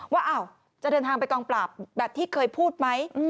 ว่าจะเดินทางไปกองปราบแบบที่เคยพูดไหม